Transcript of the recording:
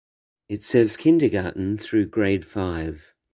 It serves kindergarten through grade five.